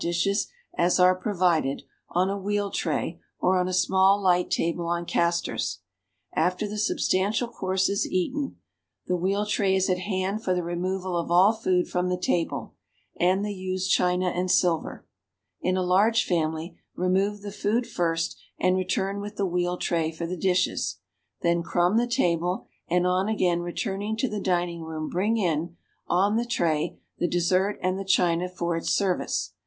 shes as are pro vided, on a wheel tray or on a small light table on castors. After (he subsl intiiil course is eaten, the wheel tray is at hand for the removal of all food from the table, and the used china and silver. In a large family, remove the food first and return with the wheel tray for the dishes; then crumb the taljle, and on again returning to the dining room bring in, on the tray, the des.sert and the china for its service.